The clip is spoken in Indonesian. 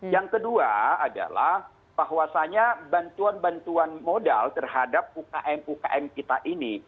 yang kedua adalah bahwasanya bantuan bantuan modal terhadap ukm ukm kita ini